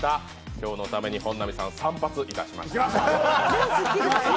今日のために本並さん、散髪しました。